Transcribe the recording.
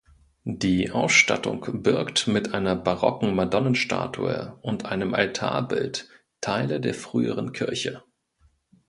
Die Ausstattung birgt mit einer barocken Madonnenstatue und einem Altarbild Teile der früheren Kirche.